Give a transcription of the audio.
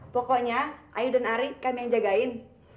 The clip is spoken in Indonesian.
pokoknya ayo dan ari kami yang jagain